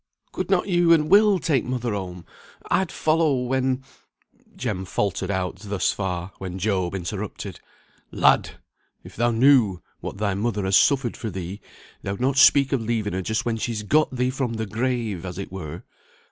"Could not you and Will take mother home? I'd follow when " Jem faltered out thus far, when Job interrupted, "Lad! if thou knew what thy mother has suffered for thee, thou'd not speak of leaving her just when she's got thee from the grave as it were.